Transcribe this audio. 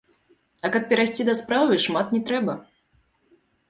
А каб перайсці да справы, шмат не трэба.